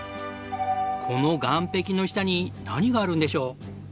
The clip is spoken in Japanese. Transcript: この岸壁の下に何があるんでしょう？